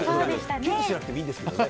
キュッとしなくてもいいんですけどね。